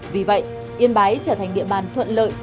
vì vậy yên bái trở thành địa bàn thuận lợi